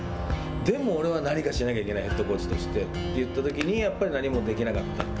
でも俺は何かしなきゃいけないヘッドコーチとしてといったときにやっぱり何もできなかった。